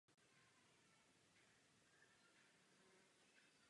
Jeho díla byla opět vystavována a kritiky oceňována.